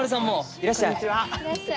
いらっしゃい！